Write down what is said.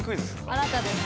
あなたです！